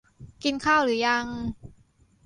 กินข้าวหรือยัง